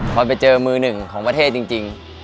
พอไปเจอมือหนึ่งของประเทศจริง